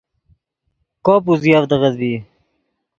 کوپ اوزیڤدغت ڤی